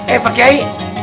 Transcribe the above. eh pak kiai